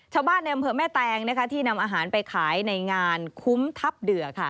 ชาวบ้านในอำเภอแม่แตงที่นำอาหารไปขายในงานคุ้มทัพเดือค่ะ